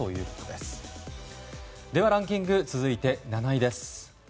ではランキング続いて、７位です。